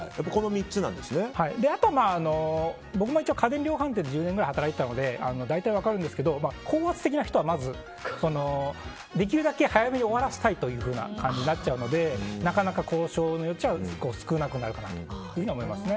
あと、僕も一応家電量販店で１０年ぐらい働いていたので大体分かるんですけど高圧的な人はまずできるだけ早めに終わらせたいという感じになっちゃうのでなかなか交渉の余地は少なくなるかなと思います。